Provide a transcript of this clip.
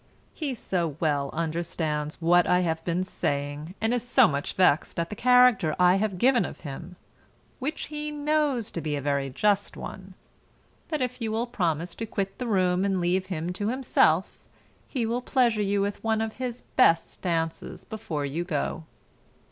He so well understands what I have been saying, and is so much vexed at the character I have given of him, which he knows to be a very just one, that if you will promise to quit the room and leave him to himself he will pleasure you with one of his best dances before you go."